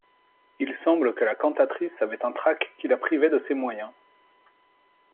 Il semble que la cantatrice avait un trac qui la privait de ses moyens.